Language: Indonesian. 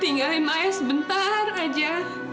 tinggalin maya sebentar aja